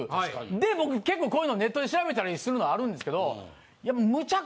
で僕結構こういうのネットで調べたりするのあるんですけど。